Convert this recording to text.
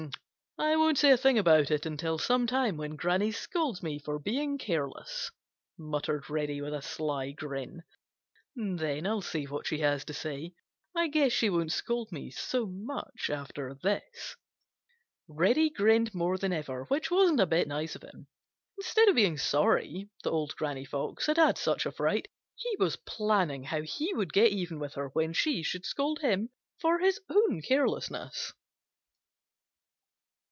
"I won't say a thing about it until some time when Granny scolds me for being careless," muttered Reddy, with a sly grin. "Then I'll see what she has to say. I guess she won't scold me so much after this." Reddy grinned more than ever, which wasn't a bit nice of him. Instead of being sorry that Old Granny Fox had had such a fright, he was planning how he would get even with her when she should scold him for his own carelessness.